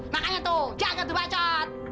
makanya tuh jaga tuh pacot